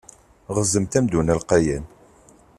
Ɣzemt amdun alqayan.